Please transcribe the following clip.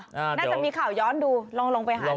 น่าจะมีข่าวย้อนดูลองไปหาดู